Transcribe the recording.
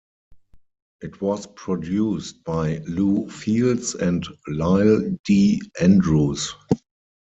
It was produced by Lew Fields and Lyle D. Andrews.